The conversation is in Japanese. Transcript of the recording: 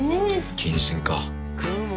謹慎か。